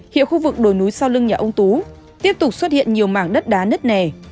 hiện khu vực đồi núi sau lưng nhà ông tú tiếp tục xuất hiện nhiều mảng đất đá nứt nẻ